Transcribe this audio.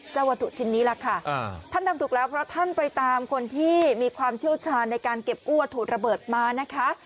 วัตถุชิ้นนี้ล่ะค่ะท่านทำถูกแล้วเพราะท่านไปตามคนที่มีความเชี่ยวชาญในการเก็บกู้วัตถุระเบิดมานะคะ